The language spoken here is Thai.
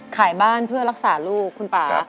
ขายบ้านเพื่อรักษาลูกคุณป่า